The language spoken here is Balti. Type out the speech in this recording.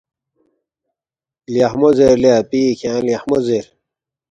”لیخمو زیر لے اپی کھیانگ لیخمو زیر